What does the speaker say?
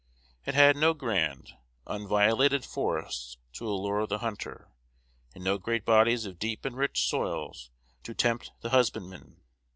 It had no grand, un violated forests to allure the hunter, and no great bodies of deep and rich soils to tempt the husbandman.